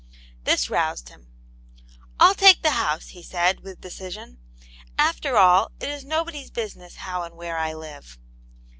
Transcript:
This roused him. "I'll take the house," he said, with decision. "After all, it is nobody's business how and where I live."